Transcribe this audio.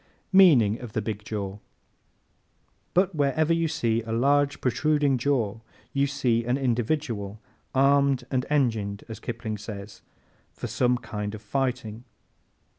Meaning of the Big Jaw ¶ But wherever you see a large protruding jaw you see an individual "armed and engined," as Kipling says, for some kind of fighting.